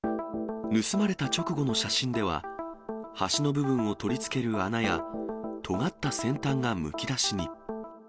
盗まれた直後の写真では、端の部分を取り付ける穴や、とがった先端がむき出しに。